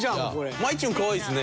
まいちゅん可愛いですね。